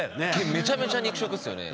めちゃめちゃ肉食っすよね。